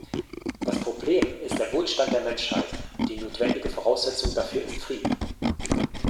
Das Problem ist der Wohlstand der Menschheit, und die notwendige Voraussetzung dafür ist Frieden.